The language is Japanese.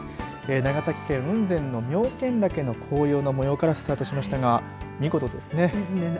長崎県、雲仙の妙見岳の紅葉の模様からスタートしましたが見事ですね。